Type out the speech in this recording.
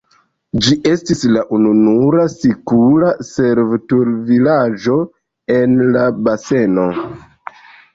Ĝi estis la ununura sikula servutulvilaĝo en la baseno.